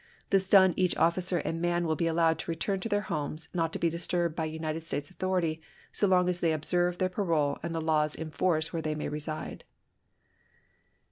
This done, each officer and man will be allowed to return to their homes, not to be disturbed by United States authority so long as they observe their parole and the laws in force where they may reside.